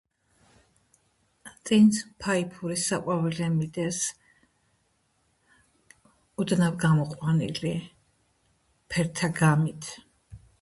წინ ფაიფურის საყვავილე მიდევს, ოდნავ გამოყვანილი, ფერთა გამით.